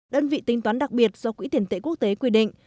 đơn vị tính toán đặc biệt do quỹ tiền tệ quốc tế quy định